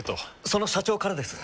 その社長からです。